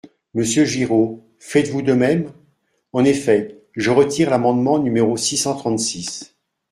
Monsieur Giraud, faites-vous de même ? En effet, je retire l’amendement numéro six cent trente-six.